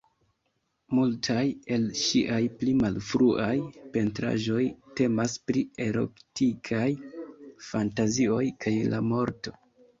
Multaj el ŝiaj pli malfruaj pentraĵoj temas pri erotikaj fantazioj kaj la morto.